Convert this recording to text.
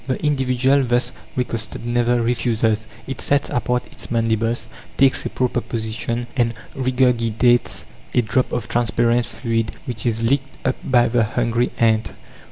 The individual thus requested never refuses; it sets apart its mandibles, takes a proper position, and regurgitates a drop of transparent fluid which is licked up by the hungry ant.